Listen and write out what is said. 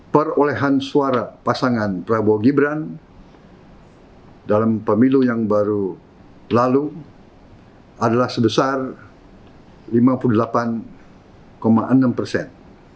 perolehan suara pasangan prabowo gibran dalam pemilu yang baru lalu adalah sebesar lima puluh delapan enam persen